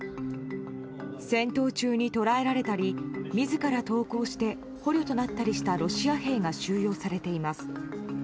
戦闘中に捉えられたり自ら投降して捕虜となったりしたロシア兵が収容されています。